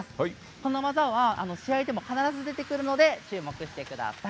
この技は試合でも必ず出てくるので注目してください。